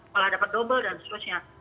malah dapat double dan seterusnya